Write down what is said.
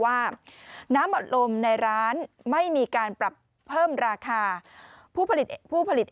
ว่าน้ำอัดลมในร้านไม่มีการปรับเพิ่มราคาผู้ผลิตผู้ผลิต